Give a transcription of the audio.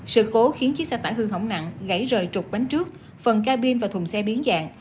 sự cố khiến chiếc xe tải hư hỏng nặng gãy rời trục bánh trước phần ca bin và thùng xe biến dạng